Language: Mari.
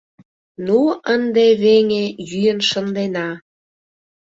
— Ну, ынде, веҥе, йӱын шындена!